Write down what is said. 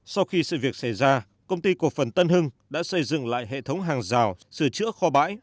sau khi sự việc xảy ra công ty cổ phần tân hưng đã xây dựng lại hệ thống hàng rào sửa chữa kho bãi